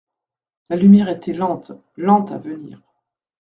La lumière était lente, lente à venir.